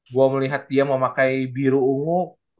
gue melihat dia mau pakai biru ungu